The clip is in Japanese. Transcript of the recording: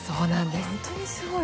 本当にすごい！